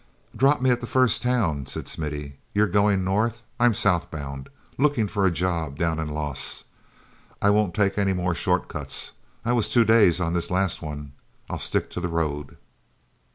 "Drop me at the first town," said Smithy. "You're going north: I'm south bound—looking for a job down in Los. I won't take any more short cuts; I was two days on this last one. I'll stick to the road."